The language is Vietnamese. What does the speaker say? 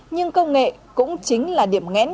nhưng công nghệ cũng chính là điểm ngẽn